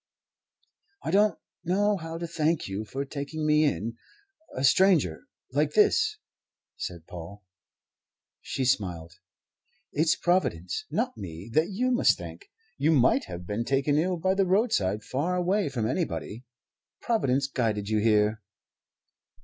"I don't know how to thank you for taking me in, a stranger, like this," said Paul. She smiled. "It's Providence, not me, that you must thank. You might have been taken ill by the roadside far away from anybody. Providence guided you here."